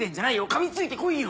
かみついてこいよ。